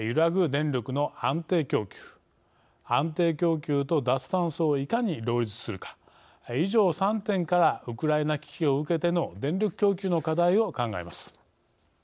電力の安定供給安定供給と脱炭素をいかに両立するか以上、３点からウクライナ危機を受けての電力供給の課題を考えます。